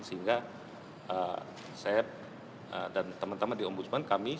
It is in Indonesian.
sehingga saya dan teman teman di ombudsman kami semua